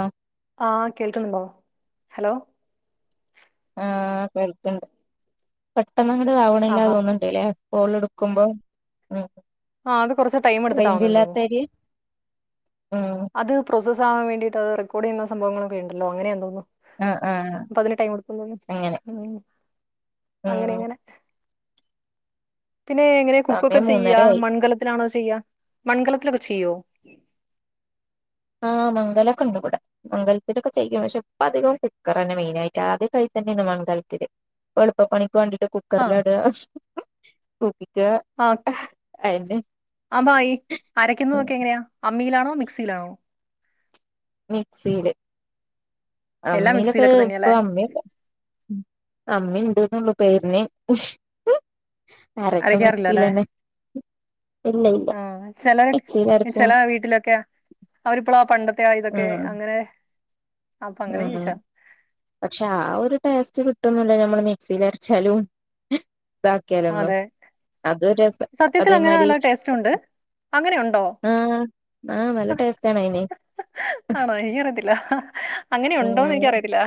ആഹ് ആഹ് കേൾക്കുന്നുണ്ടോ ഹലോ ആഹ് കേൾക്ക്ണ്ട് പെട്ടങ്ങത്തങ്ങട് ആവ്ണില്ലാ ആഹാ തോന്ന്ണ്ട്ല്ലേ കോൾ ഇട്ക്കുമ്പോ ഉം ആഹ് അത് കുറച്ച് ടൈം എടുത്തിട്ടാവുന്നതെന്നു റേഞ്ചില്ലാത്ത തോന്നുന്നു ഏരിയെ ഉം അത് പ്രോസസ് ആ വേണ്ടീട്ട് അത് റെക്കോർഡ് ചെയ്യുന്ന സംഭവങ്ങളൊക്ക ഉണ്ടല്ലോ അങ്ങനെയെന്തോന്നോ ആഹ് ആഹ് അപ്പ അതിന് ടൈം എടുക്കും തോന്നും. അങ്ങനെ ഉം അങ്ങനെ ഉം അങ്ങനെ പിന്നെ എങ്ങനെ കുക്കൊക്കെ സമയം ചെയ്യാ മൂന്നര ആയി മൺകലത്തിലാണോ ചെയ്യാ? മൺകലത്തിലൊക്കെ ചെയ്യോ ആഹ് മൺകലൊക്കെ ഇണ്ട് ഇവടെ. മൺകലത്തിലൊക്കെ ചെയ്യും. പക്ഷെ ഇപ്പ അധികം കുക്കർ തന്നെ. മെയിൻ ആയിട്ട് ആദ്യക്കെ അയീത്തെന്നേന്നു മൺകലത്തില് ഇപ്പളുപ്പപണി ക്ക് വാണ്ടിട്ട് കുക്കറിലാടാ. Okay okay. അപ്പ യീ അരക്കുന്ന ഒക്കെ എങ്ങനെയാ അമ്മിയിലാണോ മിക്സിയിലാണോ മിക്സീല്. എല്ലാം അമ്മിയിലൊക്കെ മിക്സിയിലൊക്കെ ഇപ്പൊ തന്നെയാല്ലേ അമ്മിയൊക്കെ. അമ്മിണ്ട്. ന്നൊള്ളൂ പേര്ന്. ഉഷ് അരക്ക് അരയ്ക്കാറില്ല അല്ലേ മിക്സീലന്നെ. ആഹ് ചിലരൊക് മിക്സിയിലരക്കും ചെല വീട്ടിലൊക്കെ അവരിപ്പളും ആ പണ്ട താ ഇതൊക്കെ ഉം അങ്ങനെ അപ്പൊ അങ്ങനെ ഉം ഉം ചോദിച്ചാ പക്ഷെ ആ ഒരു ടേസ്റ്റ് കിട്ടന്നില്ല നമ്മൾ മിക്സിയിലരച്ചാലും അതെ സത്യത്തിൽ അങ്ങനെ അതേമാതിരി നല്ല ടേസ്റ്റ് ഉണ്ട് അങ്ങനെയുണ്ടോ ആഹ് ആഹ് നല്ല ടേസ്റ്റ് ആണ് അയിന് ആണോ എനിക്കറിയത്തില്ല അങ്ങനെ ഉണ്ടോന്ന് ആഹ് എനിക്കറിയത്തില്ല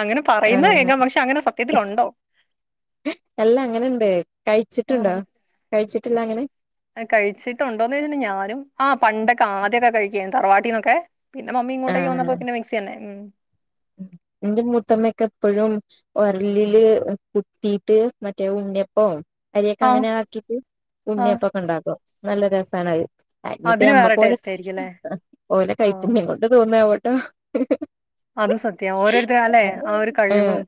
അങ്ങനെ പറയുന്നത് ആഹ് കേക്കാം പക്ഷെ അങ്ങനെ സത്യത്തിൽ ഒണ്ടോ അല്ലാ അങ്ങനെയുണ്ട് ആ കഴിച്ചിട്ടുണ്ടോന്ന് ചോദിച്ചാ ഞാനും ആ പണ്ടൊക്കെ ആദ്യമൊക്കെ കഴി ക്കും തറവാട്ടീന്നൊക്കെ പിന്നെ മമ്മി ഇങ്ങോട്ടേക്ക് ആഹ് വന്നപ്പോ പിന്നെ മിക്സി തന്നെ ഉം എന്റെ മുത്തമ്മക്ക് എപ്പഴും ഒരളില് കുത്തീട്ട് മറ്റേ ഉണ്ണിയപ്പോ അരിയൊക്കെ ആ അങ്ങനെ ആക്കിട്ട് ആ ഉണ്ണിയപ്പൊക്കെ ഉണ്ടാക്കും നല്ല രസാണ്‌ അതിന് വേറെ അത് ടേസ്റ്റ് ആയിരിക്കുംല്ലേ? [unintelligible] ഓലെ ആ കൈപ്പുണ്യം കൊണ്ട് തോന്നുന്നതാ അതും സത്യാ. ഓരോരുത്തര് അല്ലെ ഒരു ആ കഴിവും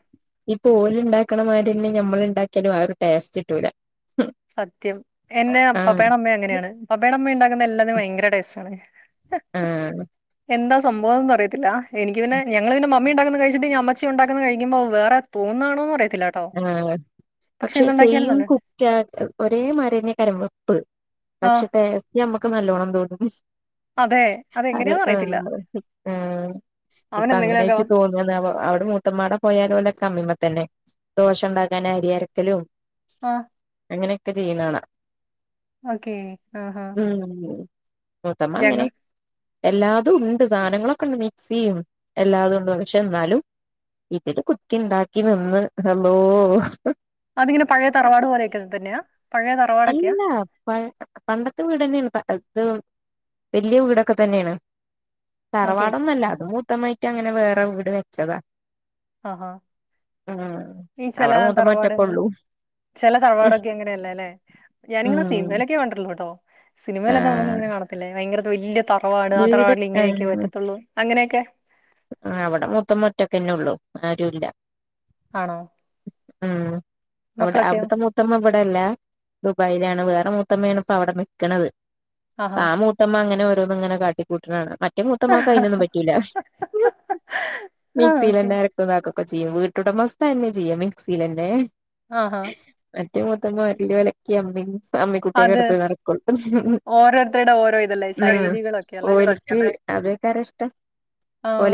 ഇപ്പോ ഓല് ഉണ്ടാക്കണമാതിരി നമ്മൾ ഉണ്ടാക്കിയാലും ആരു ടേസ്റ്റിട്ടുല്ലാ സത്യം എന്നെ ആഹ് പപ്പേയുടെ അമ്മ അങ്ങനെയാണ് പപ്പേയുടെ അമ്മ ഉണ്ടാക്കുന്ന എല്ലാതും ഭയങ്കര ടേസ്റ്റാണ് ആഹ് എന്താ സ് സംഭവം ന്താറിയത്തില്ല എനിക്ക് പിന്നെ ഞങ്ങള് പിന്നെ മമ്മിണ്ടാക്കുന്ന കഴിച്ചിട്ട് അമ്മച്ചി ഉണ്ടാക്ക കഴിക്കുമ്പോ വേറെ തോന്നാണോന്ന് അറി ആ പക്ഷെ സെയിം നല്ല കു ഒരേ മരെ [unintelligible] ആഹ് പക്ഷ ടേസ്റ്റ് ഞമ്മക്ക് ക്ക് നല്ലോണം തോന്നും അതെ അത് അതെങ്ങനെയാന്ന് ആ അറിയത്തില്ല. ആ അവൻ ഇപ്പൊ എന്തെങ്കിലുമൊക്കെ അങ്ങനായിട്ട് തോന്നുന്നുന്ന് അവിടെ മൂത്തുമ്മാട പോയാലും ഓലെ [unintelligible] തന്നെ ദോശ ഉണ്ടാക്കാൻ അരി അരക്കലും ആ ഒക്കെ ചെയ്യുന്ന കാണാം ഓക്കെ ആ ആ മൂത്തമ്മ അങ്ങനെ എല്ലാതും ഉണ്ട് സാധനങ്ങളൊക്കെണ്ട് മിക്സിം ചെയ്യും എല്ലാതും ഉണ്ട് പക്ഷെ എന്നാലും വീട്ടില് കുക്കി ഇണ്ടാക്കി നിന്ന് ഹലോ അതിങ്ങനെ പഴയ തറവാട് പോലെയൊക്കെ തന്നെയാ പഴയ തറവാടൊക്കെയാ അല്ല പ പണ്ടത്തെ വീട്ന്നെയാണ് ഇത് വല്ല്യ വീടൊക്കെ തന്നെയാണ് ഓക്കെ ചേച്ചി തറവാടൊന്നുമല്ല അതും മൊത്തമായിട്ട് അങ്ങനെ വേറെ- വെച്ചതാ ഹ ഹാ ഉം ഈ ചില അവിടെ മൂത്തമ്മ തറവാടുകള്, ഒറ്റക്കൊള്ളൂ ചിലതറവാട്കലക്കേ അങ്ങനെലെ. ഞാനിങ്ങനെ ഉം സിനിമേലേക്കെ കണ്ടോളു. [unintelligible] സിനിമലേക്കെ നമ്മക്കിവല്യ ആഹ് ങ്ങനെ കാണത്തില്ലേ ഭയ്ങ്കര തറവാട്, ആ വീട് തറവാട്ടിൽ ഇങ്ങനെയൊക്കെ പറ്റത്തോളു അങ്ങനെക്കെ ആ അവടെ മൂത്തുമ്മ ഒറ്റകാല്ലോളു ആരൂല്ല. ആണോ മം അവടെ മക്കളൊക്കെയോ അവിടെത്തെ മൂത്തുമ്മ ഇവിടെ അല്ല, ദുബായിലാണ്. വേറെ മൂത്തുമേണ് ഇപ്പ അവിടെ നിക്കണത്. ആഹാ ആ മൂത്തുമ്മ അങ്ങനെ എപ്പങ്ങനെ കാട്ടികുട്ടണ്ണാണ് മൂത്ത മാക്ക് അയിനൊന്നും പറ്റൂല ആഹ് ഓക്കെ മിക്സീലന്നെ [unintelligible] ക്കൊ ചെയ്യും. വീട്ടുടമസ്ഥന്നെ ചെയ്യും മിക്സീലന്നെ ആഹാ [unintelligible] [unintelligible] [unintelligible] [unintelligible] തും അത് ഓരോരുത്തരുടെ ഓരോ ഇതല്ലേ ശൈലികളൊക്കെ അല്ലേ ആഹ്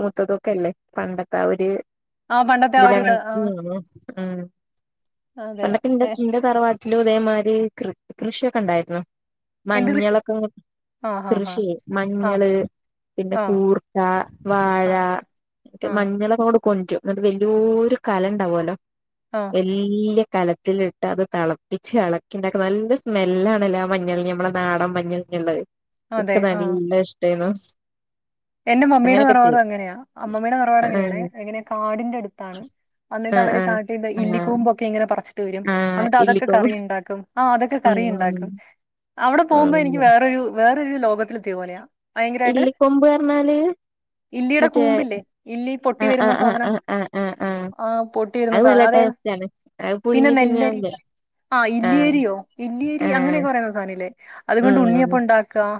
മൂത്തതുക്കല്ലേ പണ്ടത്താഒര് [unintelligible] ആ പണ്ടത്തെ ആ ഒരു ഇത് ആഹ് അതെ ഏ ല്ലുതേമായ്രി ക്രിഷൊക്കണ്ടായിരുന്നൊ എന്ത് കൃഷി? മഞ്ഞളക്ക ആഹ് ആഹ് കൃഷിയേ ആഹ് മഞ്ഞള് ന ആഹ് ആഹ് കൂർക്ക വാഴ ആഹ് ആഹ് മഞ്ഞ [unintelligible] [unintelligible] ന്ന്ട്ട് വല്യോരു കലംണ്ടാവും ആഹ് വല്യ കലത്തില്ട്ട് അത് തെളപ്പിച്ചെളക്കി നല്ല സ്മെല്ലാണയ്ല് ആ മഞ്ഞളിന് നമ്മടെ നാടൻ മഞ്ഞളിന്ള്ളത് അതെ ക്ക് ആഹ് നല്ലയിഷ്ടേനു എന്റെ മമ്മീട തറവാടുവങ്ങനെയ അമ്മമ്മേടെ തറവാടങ്ങനെയാണെ. അതിങ്ങന കാടിന്റടുത്താണ്. ആ അന്നിട്ടവര് ആ കാട്ടീപോയി ആ ഇല്ലിക്കൊമ്പൊക്ക ഇങ്ങനെ പറിച്ച് ണ്ട്വരും. ആ അന്നിട്ടതൊക്കെ ഇല്ലിക്കൊമ്പ് കറീണ്ടാക്കും. ആ അതൊക്ക ഉം കറീണ്ടാക്കും. അവിട പോവ്മ്പൊ എനിക്ക് ഉം വേറൊരു വേറൊരു ലോകത്തെത്തിയ പോലെയ [inaudible] ഇല്ലിക്കൊമ്പ് ണാല് ഇല്ലിയുടെ മറ്റേ കൂമ്പില്ലേ ഇല്ലി പൊട്ടി ആ ആ ആ ആ ആ ആ ആ ട്ടിയിരുന്നു നല്ല സാധനം അത് ഏത് ടേസ്റ്റ് ആണ് അത് പിന്നെ പുഴുങ്ങി നെല്ലരി തിന്നാനല്ലേ ആ ഇല്ലിയരിയോ ഇല്ലിയരി ആ അങ്ങനക്കെ പറയുന്ന സാധനമില്ലേ? അതുകൊണ്ട് ഉം ഉണ്ണിയപ്പൊണ്ടാക്കാം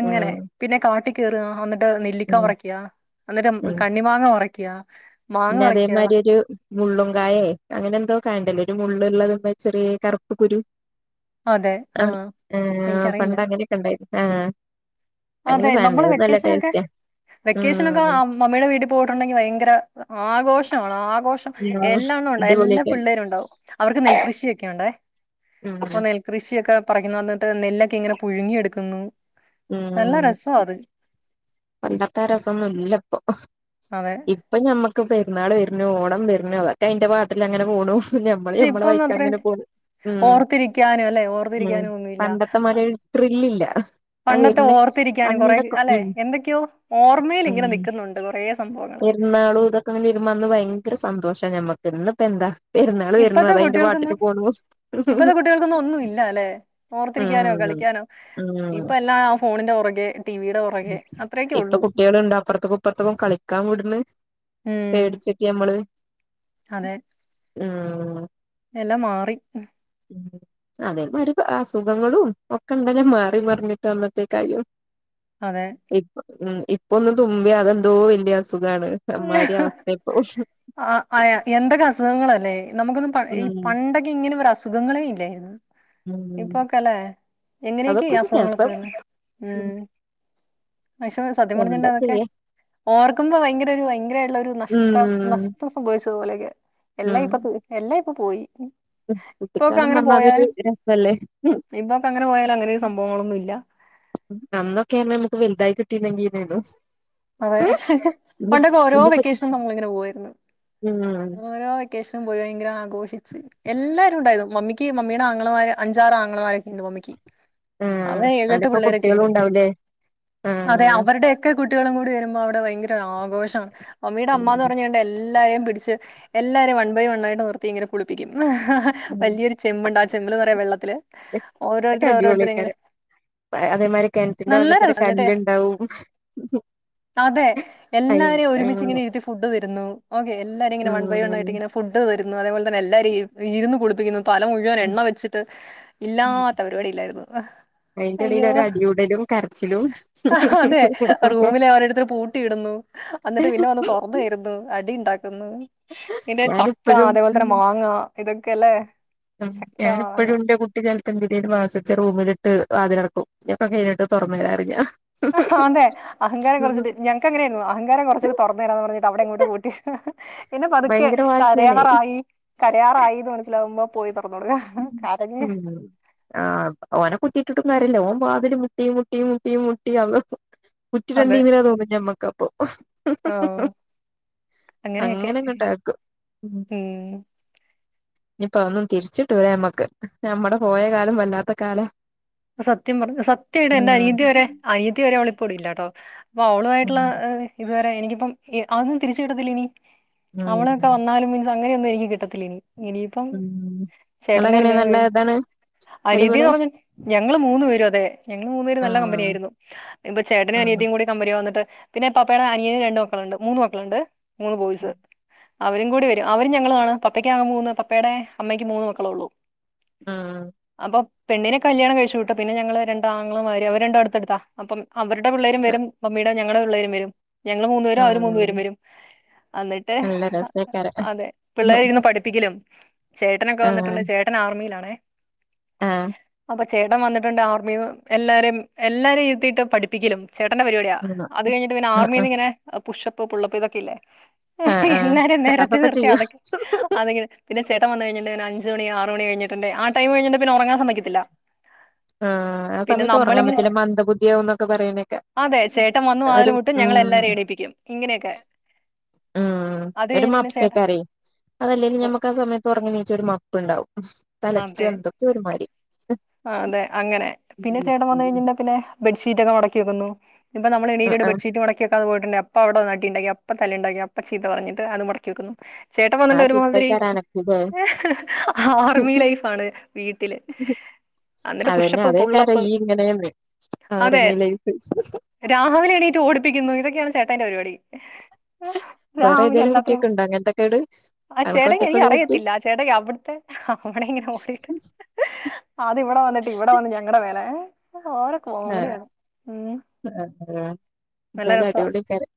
അങ്ങനെ ഉം പിന്നെ കാട്ടി കേ [inaudible] അന്നിട്ട് നെല്ലിക്ക ഉം പറിക്ക്യ അന്നിട്ട് കണ്ണിമാങ്ങാ പറി ക്ക്യാ ന്നെ അതേമാരി ഒരു മുള്ളും കായേ അങ്ങനെന്തോ കായോണ്ടല്ലോ ഒരു മുള്ളിള്ളതിന്മേൽ ചെറിയെ കറുപ്പ് കുരു. അതെ ആ ആഹ് എനിക്കറിയില്ല പണ്ടങ്ങനൊക്കെയൊണ്ടാരുന്നു. ആ അതെ നമ്മള് വെക്കേഷനൊക്കെ വെക്കേഷനൊക്കെ ഉം അ മമ്മിടെ വീട്ടി പോയിട്ടുണ്ടെങ്കി വയങ്കര ആഘോഷണ് ആഘോഷം ഉം എല്ലാണ്ണോം ഒണ്ടാകും എല്ലാ അടിപൊളിയൊക്കെ പിള്ളേരും ഒണ്ടാകും അവർക്ക് നെൽകൃഷിയൊക്കെയൊണ്ടേ ഉം പ്പ നെൽകൃഷിയൊക്കെ പറിക്കുന്നന്ന്‌ നെല്ലൊക്കെ ഇങ്ങനെ പുഴിങ്ങിയെടുക്കുന്നു ഉം പണ്ടത്തെരെസൊന്നും ഇല്ലപ്പൊ. അതെ ഇപ്പ ഞമ്മക് പെരുന്നാള് വെരുന്നു ഓണം വെരുന്ന്‌ അതൊക്കെ അതിന്റെ പാട്ടിലങ്ങനെ പോണു. ഞമ്മള് പക്ഷെ ഞമ്മടെ ഇപ്പൊന്നും അത്ര വഴിക്കങ്ങനെ പോണ് ഉം ഓർത്തിരിക്കാനും അല്ലെ ഉം ഓർത്തിരിക്കാനും ഒന്നുമില്ല പണ്ടത്തെ മാരിയൊര് ത്രില്ലില്ല. അ പണ്ടത്തെ വെരുന്നേ ഓർത്തിരിക്കാനും കൊറെ പണ്ടൊക്കോ അല്ലെ ഉം എന്തൊക്കെയോ ഓർമ്മയിൽ ഉം ഇങ്ങനെ നിക്കുന്നുണ്ട് കൊറേ സംഭവങ്ങള് പെരുന്നാളു ഇതൊക്കെങ്ങ് വരുമ്പോ അന്ന് വയങ്കര സന്തോഷ് ഞമ്മക് ഇന്നിപ്പന്താ? ഇപ്പത്തെ കുട്ടികൾക്കൊന്നും ഇപ്പത്തെ കുട്ടികൾക്കൊന്നും ഒന്നുല്ലാല ഓർത്തിരിക്കാനോ ഉം കളിക്കാനോ ഉം ഇപ്പെന്നാ ഫോണിന്റെ പൊറകെ ഇപ്പൊ കുട്ടികളെയൊണ്ടോ അപ്രത്തക്കും ഇപ്രത്തക്കും കളിക്കാൻ വിടണ് ഉം പേടിച്ചിട്ട് ഞമ്മള്. ആ ല്ലാം മാറി. അതേമാരിപ്പം അസുഖങ്ങളും ഒക്കെ ഇങ്ങനെ മാറിമറിഞ്ഞും അന്നത്തേക്കായും. അതെ ഇപ്പ ഉം ഇപ്പൊന്ന് തുമ്പിയ അത് ന്തോ വല്ല്യ അസു ആഹ് അയ എന്തൊക്കസുഖങ്ങളല്ലേ. നമുക്കൊന്നും പ ഈ ഉം പണ്ടൊക്കെ ങ്ങനെ അസു ഖങ്ങളെ ല്ലായിർന്നു. ഉം ഇപ്പൊക്കലേ എങ്ങനൊക്കെ ഈ അതൊക്കെ ഒരു അസുഖങ്ങളൊക്കെ രസം വർന്നെ. ഉം വെഷമ സത്യം പറഞ്ഞീണ്ടെ എന്താ അതൊക്കെ ചെയ്യാ ഓർക്കുമ്പോ ഭയങ്ക ഭയങ്കരായിട്ട്ള്ളൊരു ഉം നഷ്ട്ടം നഷ്ട്ടം സംഭ ച്ചോ ലകെ. ഉം എല്ലയിപ്പപ്പോവും എല്ല പോയി. പ്പോക്കെ കുട്ടിക്കാലം ങ്ങനെ പറഞ്ഞ അതൊരു പോയാലും രസല്ലേ ഇന്നൊക്കങ്ങനെ പോയാലും അങ്ങനൊരു സംഭവങ്ങളൊന്നുല്ല. അന്നൊക്കെ ർഞ്ഞ മ്മക്ക് വാലുതായി കിട്ടീണെങ്കി ന്നെ ന്നു അതെ പണ്ടൊക്കെ ഓരോ വെക്കഷനും നമ്മളിങ്ങനെ പോകുവേർന്നു ഉം ഓരോ വെക്കേഷനും പോയി ഭയങ്കരആഘോഷിച്ച് എല്ലാരു ണ്ടായീന്നു മമ്മിക്ക് ആഹ് അതേയെട്ട് അതിലൊക്കെ കുട്ടികളും പിള്ളേരൊക്കെണ്ട് ഉണ്ടാവൂലേ അതെ ആഹ് അവര്ടെയൊക്കെ ഗുഡ് വരുമ്പോ അവ്ടെ ഭയങ്കരാഘോഷാണ് ഒമിടെ അമ്മ ന്ന് ഉം പറഞ്ണ്ടെ ല്ലാരേം പിട്ച്ച് എല്ലാരേം വൻ ബൈ വൻ ആയിട്ട് നിർത്തി ഇങ്ങനെ കുളിപ്പിക്കും വല്ല്യൊരു ചെമ്പ് ണ്ട് ആ ചെമ്പിൽ നെറയെ വെള്ളത്തില് ഒക്കെ ഒരോർതർ ഒരോർതരിങ്ങനെ അടിപൊളിയേക്കാരം അതേമാതിരി കിണറ്റിന്റെ നല്ല ഭാഗത്തൊരു രസ ന്നട്ടെ കല്ലുണ്ടാവും അതെ എല്ലാവരേം ഒരുമിച്ചിങ്ങനെ ഇരുത്തി ഫുഡ്‌ തരുന്നു ഒക്കെ എല്ലാവരേം ങ്ങനെ വൺ ബൈ ഉം വണ്ണായിട്ട് ങ്ങനെ ഫുഡ്‌ തരും ന്നു അതേപോലെതന്നെ ഇര് ഇരുന്നു കുളിപ്പിക്കുന്നു തല മുഴുവൻ ഉം എണ്ണ വെച്ചിട്ട് ഇല്ലാത്ത പരിപാടില്ലായ്രുന്നു അയിന്റെ ഇടയിൽ ഒരു അയ്യോഹ് അടിയൂടലും കരച്ചിലും അതെ റൂമിൽ ഒരോർതർ പൂട്ടിയിടുന്നു അന്നട്ട് പിന്നെ വന്ന് തെരുന്നു അടിണ്ട ന്നു പിന്നെ ചക്ക ഞാനിപ്പഴും അതേപോൽതന്നെ മാങ്ങാ ഇതൊക്കെ ലേ ചക്ക ത്തെന്തിനേലും വാസ്യുട്ച്ച റൂമിലിട്ട് വാതിലട്ക്കും ഞൊക്കെ കൈഞ്ഞിട്ട് തൊർന്നേരറിം ഞാൻ അതെ അഹങ്കാരം കൊർച്ട്ട് ഞങ്ങക്കങ്ങനെർന്നു അഹങ്കാരം കൊർച്ചിട്ട് ഞാൻ തൊർന്നേര ന്ന് പർഞ്ഞിട്ട് അവ്ടെ ങ്ങോട്ട് പൂട്ടി പിന്നെ പതുക്കെ ഭയങ്കര വാശിയാണേ കരയവറായി കരയാറായി ന്ന് മൻസിലാവുമ്പോ പോയി പ ഹ് ഹ് ആഹ് ഓനെ കുറ്റിട്ട് ട്ടും കാര്യല്ല ഓൻ വാതിൽ മുട്ടി മുട്ടി മുട്ടി മുട്ടി അഹ് തൊക്കും അതെ കുറ്റിടെണ്ടിപിന്നെ തോന്നും ഞമ്മക്കപ്പോ ആ അങ്ങനെയൊക്കെ അങ്ങനെ അങ്ങട്ടാക്കും ഉം ഇനി [unintelligible] തിരിച്ച് [unintelligible] നമ്മക്ക് നമ്മടെ പോയ കാലം വല്ലാത്ത കാലാ സത്യം പറഞ്ഞാ സത്യായിട്ട് എൻ്റെ ഉം അനിയത്തി വരെ അനിയത്തി വരെ [unintelligible] ഇപ്പൊ ഉം ഓളായിട്ടുള്ള [unintelligible] ഇതു വരെ എനിക്കിപ്പം അതൊന്നും തിരിച്ച് കിട്ടത്തില്ലിനീ അവളൊക്കെ ഉം വന്നാലും [unintelligible] അങ്ങനെയൊന്നും ഇനി കിട്ടത്തില്ലയിനീ മം ഇയാളെങ്ങനെ നല്ല കഴിഞ്ഞ് ഇതാണ് അനിയത്തി എന്ന് അടിപൊളിയാ പറഞ്ഞ ഞങ്ങള് മൂന്നു പേരും അതേ ഞങ്ങള് മൂന്നു പേരും നല്ല ആഹ് കമ്പിനിയാരുന്നു എന്തോ ചേട്ടനും ആഹ് അനിയത്തിയും കൂടി കമ്പനി വന്നിട്ട് പിന്നെ പപ്പേടെ അനിയന് രണ്ട് മൂന്ന് മക്കളിണ്ട് മൂന്ന് ബോയ്സ് ഉം അവരും കൂടി വരും അവരും ഞങ്ങളുമാണ് പപ്പയ്ക്ക് മൂന്ന് പപ്പേടെ അമ്മക്ക് മൂന്ന് മക്കളെയുള്ളു ആ പെണ്ണിനെ കല്യാണം കഴിച്ച് വിട്ടു പിന്നെ ഞങ്ങള് രണ്ട് ആങ്ങളമാരും അവര് രണ്ടും അടുത്തടുത്താ അപ്പം - അവരുടെ പിള്ളേരും വരും മമ്മി ഞങ്ങടെ പിള്ളേരും വരും ഞങ്ങള് മൂന്നു പേരും അവര് മൂന്നു ആഹ് പേരും വരും അന്നിട്ട് നല്ല രസേക്കാരം അതെ പിള്ളേരെ ഇരുന്ന് പഠിപ്പിക്കലും- ചേട്ടനൊക്കെ ആഹ് വന്നിട്ടുണ്ട് ചേട്ടൻ ആർമിയിലാണെ ആഹ് ചേട്ടൻ വന്നിട്ടുണ്ട് ആർമീന്ന് എല്ലാരേം എല്ലാരേം ഇരുത്തീട്ടാ പഠിപ്പിക്കലും ചേട്ടൻ്റെ പരിപാടിയാ ഉം അതു കഴിഞ്ഞിട്ട് ഉം ഉം ആർമീന്നിങ്ങനെ- പുഷപ്പ് പുള്ളപ്പ് ഇതൊക്കെയില്ലേ ആഹ് എല്ലാരേം ആഹ് നെരത്തി അതൊക്കെ നിർത്തി ചെയ്യും അതൊക്കെ അതിങ്ങനെ പിന്നെ ചേട്ടൻ വന്ന് [unintelligible] പിന്നെ അഞ്ച് മണി ആറ് മണി കഴിഞ്ഞിട്ടിണ്ടെങ്കി ആ- ടൈമ് കഴിഞ്ഞ്ണ്ടെ പിന്നെ ഒറങ്ങാൻ സമ്മയിക്കതില്ലാ ആ ആ സമയത്ത് ഒറങ്ങാൻ നമ്മളിങ്ങനെ പറ്റില്ല മന്ദബുദ്ധിയാവുന്നൊക്കെ പറയ്ണേക്കാ അതെ ചേട്ടൻ വന്ന് വാതില് ഒരു മുട്ടും ഞങ്ങളെ മ് എല്ലാരേം എണീപ്പിക്കും ഇങ്ങനെയൊക്കെ ആ അത് ഒര് കഴിഞ്ഞിട്ട് പിന്നെ ചേട്ടൻ മപ്പേക്കാരെ അതല്ലേലും ഞമ്മക്ക് ആ സമയത്ത് ഒറങ്ങി എണീച്ചാ ഒര് മ പ്പ്ണ്ടാവും തലയ്ക്ക് അതെ എന്തൊക്കെയോ ഒരുമാരി അതെ അങ്ങനെ പിന്നെ ചേട്ടൻ വന്നെഴിഞ്ഞേഞ്ഞാ പിന്നേ ബെഡ്ഷീറ്റൊക്കെ മടക്കി വെക്കുന്നു ഇപ്പം ആ നമ്മളെണീറ്റ്ട്ട് ആ ബെഡ് ഷീറ്റ് മടക്കി വെക്കാതെ പോയി പിന്നെ അപ്പ അവിടെ അടീണ്ടാക്കി അപ്പ തല്ല്ണ്ടാക്കി അപ്പ ചീത്ത പറഞ്ഞിട്ട് അത് മടക്കി വെക്കുന്നു ചേട്ടൻ ആ വന്ന്ണ്ടെ ഒരു മാതിരി ചിട്ടേക്കാരം അനക്കില്ലേ ആഹ് യെമ്മി ലൈഫാണ് വീട്ടില് അന്നിട്ട് അതന്നെ പുഷ്പ്പ് അതേക്കാരം പുള്ളപ്പ് ഈ ഇങ്ങനെന്ന് അതെ ആർമി ലൈഫ് രാവിലെ എണീറ്റ് ഓടിപ്പിക്കിന്ന് ഇതൊക്കെയാണ് ചേ ഇപ്പയെന്റെ പരിപാടി വേറെ രാവിലെ ഏതേലും എല്ലാത്തിനും കുട്ടിയൊക്കെ ഉണ്ടോ അങ്ങനത്തെക്കേട് ആ അനക്ക് ചേട്ടായിക്ക് ഒറ്റക്കുള്ള കുട്ടി എനിക്കറിയത്തില്ല ചേട്ടായിക്ക് അവ്ട്ത്തെ [unintelligible] ഇങ്ങനെ ഓടീട്ട് അത് ഇവടെ വന്നിട്ട് ഇവടെ വന്ന് ഞങ്ങളെ വെ [unintelligible] ഏഹ് ഏഹ് ആഹ് നല്ല എന്തായാലും രസമാണ് അടിപൊളി പെരെ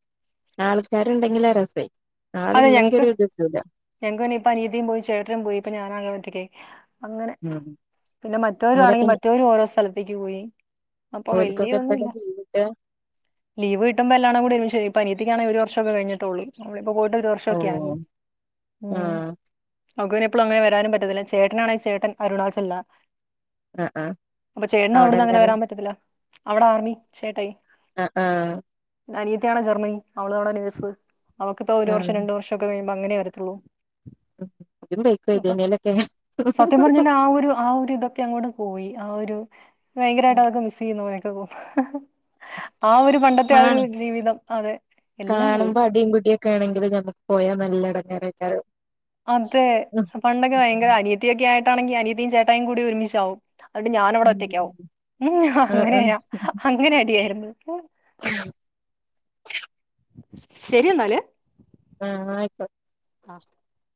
ആൾക്കാര്ണ്ടെങ്കിലാ രസ് പെയ് അതെ ഞങ്ങക്ക് ഞങ്ങക്കു പിന്നെ അനിയത്തിയും പോയി ചേട്ടനും പോയി ഇപ്പൊ ഞാനും അങ്ങളേം ഒറ്റക്കായി അങ്ങനെ പിന്നെ മറ്റൊരുംണെങ്കിൽ ഓലൊക്കെ മറ്റൊരും വേറെ സ്ഥലത്തേക്ക് പോയി അപ്പൊ വലിയ ഓൽക്കൊക്കെ ഒന്നും എപ്പഴാ ഇല്ല ലീവ് കിട്ടാ ലീവ് കിട്ടുമ്പോൾ എല്ലാണംകൂടെ ഒരുമിച്ചു വരും ഇപ്പൊ അനിയത്തിക്ക് ആണേൽ ഒരു വർഷം കഴിഞ്ഞിട്ടുള്ളൂ പോയിട്ട് ഒരു ഓ വർഷൊക്കെ ആയി ആ ഉം അവൾക്ക് പിന്നെ എപ്പഴും വരാൻ ഒന്നും പറ്റില്ല ചേട്ടൻ ആണെകിൽ ചേട്ടൻ അരുണച്ചൽ ആ ആ ആ അപ്പൊ ചേട്ടൻ അവിടെ അവിടന്ന് എന്താണ് വരാൻ പറ്റത്തില്ല അവിടാ ചേട്ടായി അ ആ അനിയത്തി അവിടെ ജർമ്മനി അവൾ അവിടെ നേഴ്സ് അവൾക് ഒരു ആ വർഷം രണ്ട് വർഷം ഒക്കെ കയിഞ്ഞ അങ്ങനെയാണ് ഇജ്ജും പൊയ്ക്കോ ലേ സത്യം ഏതേനേലൊക്കെ പറഞ്ഞ ആ ഒരു ഇതൊക്കെ അങ്ങ് പോയി ഭയങ്കരയിട്ട് അവൾക്ക് മിസ്സ് ചെയ്യുന്നു ഓ ഹഹ ആ ഒരു പണ്ടത്തെ ആണ് ജീവിതം എല്ലാം പോയി! ഒക്കെനെങ്കിലും പോയ നല്ല ഇടങ്ങേരേക്കരം അതെ പണ്ടൊക്കെ അനിയത്തി ഒക്കെ ആയിട്ട് അനിയത്തിയും ചേട്ടയിയും ഒരുമിച്ച് ആവും എന്നിട്ട് ഞാൻ ഇവിടെ ഉം ഒറ്റക്കി ആവും മ്മ്ഹ ആഹ് ആഹ് അങ്ങനെ അടി ആയിരുന്നു ശരി എന്നാലെ ആ ആയിക്കോട്ടെ [inaudible]